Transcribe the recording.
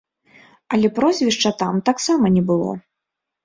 Але прозвішча там таксама не было.